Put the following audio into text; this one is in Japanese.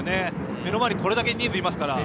目の前にたくさん人数がいますから。